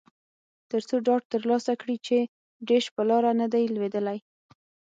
ترڅو ډاډ ترلاسه کړي چې ډیش په لاره نه دی لویدلی